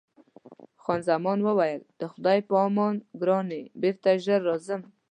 خان زمان وویل: د خدای په امان ګرانې، بېرته ژر راځم.